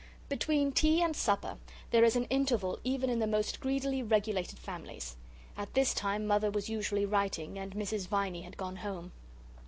Between tea and supper there is an interval even in the most greedily regulated families. At this time Mother was usually writing, and Mrs. Viney had gone home.